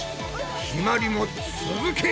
ひまりも続け！